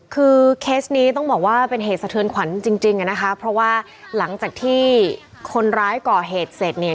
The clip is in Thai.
คือเคสนี้ต้องบอกว่าเป็นเหตุสะเทือนขวัญจริงจริงอ่ะนะคะเพราะว่าหลังจากที่คนร้ายก่อเหตุเสร็จเนี่ย